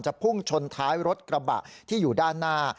พุ่งชนท้ายรถกระบะที่อยู่ด้านหน้า